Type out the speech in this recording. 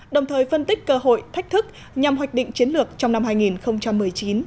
đồng thời phân tích cơ hội thách thức nhằm hoạch định chiến lược trong năm hai nghìn một mươi chín